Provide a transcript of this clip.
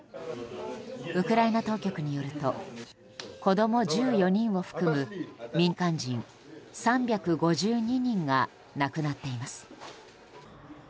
ウクライナ当局によると子供１４人を含む民間人３５２人が亡くなっています。